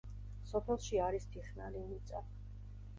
სოფელში არის თიხნარი მიწა.